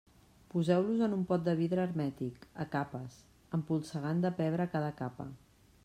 Poseu-los en un pot de vidre hermètic, a capes, empolsegant de pebre cada capa.